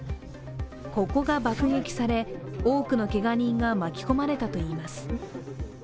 ここが爆撃され多くのけが人が巻き込まれたといいます。